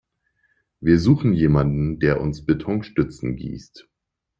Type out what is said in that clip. Wir suchen jemanden, der uns Betonstützen gießt.